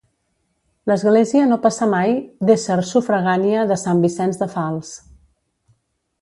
L'església no passà mai d'esser sufragània de Sant Vicenç de Fals.